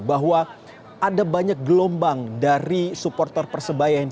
bahwa ada banyak gelombang dari supporter persebaya